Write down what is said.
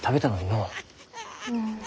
うん。